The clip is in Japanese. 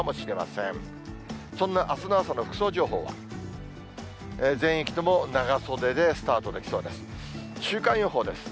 そんなあすの朝の服装情報は、全域とも長袖でスタートできそうです。